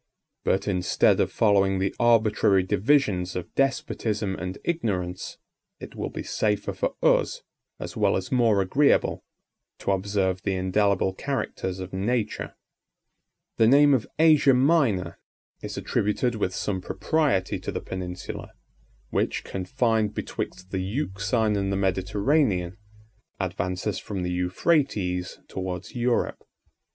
But, instead of following the arbitrary divisions of despotism and ignorance, it will be safer for us, as well as more agreeable, to observe the indelible characters of nature. The name of Asia Minor is attributed with some propriety to the peninsula, which, confined betwixt the Euxine and the Mediterranean, advances from the Euphrates towards Europe.